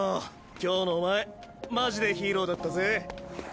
今日のお前マジでヒーローだったぜ。